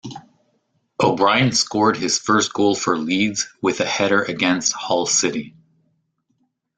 O'Brien scored his first goal for Leeds with a header against Hull City.